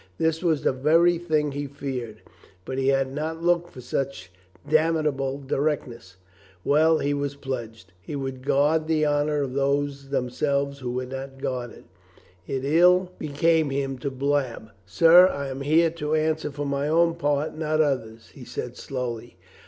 This was the very thing he feared, but he had not looked for such damnable directness. Well ! He was pledged. He would guard the honor of those who themselves would not guard it. It ill 430 COLONEL GREATHEART became him to blab. "Sir, I am here to answer for my own part, not others," he said slowly.